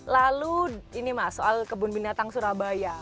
lalu ini mas soal kebun binatang surabaya